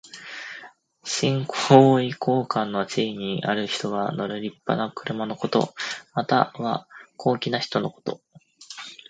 身高位高官の地位にある人が乗るりっぱな車のこと。または、高貴な人のこと。